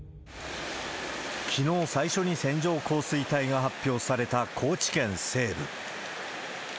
きのう最初に線状降水帯が発表された高知県西部。